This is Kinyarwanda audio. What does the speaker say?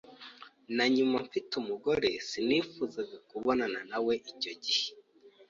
na nyuma mfite umugore sinifuzaga kubonana nawe icyo gihe.